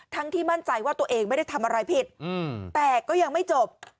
ที่มั่นใจว่าตัวเองไม่ได้ทำอะไรผิดแต่ก็ยังไม่จบ